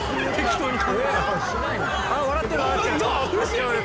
あ笑ってる笑ってる！